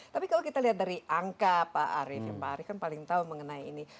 tapi kalau kita lihat dari angka pak arief pak arief kan paling tahu mengenai ini